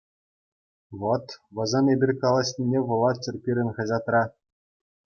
Вӑт, вӗсем эпир калаҫнине вулаччӑр пирӗн хаҫатра.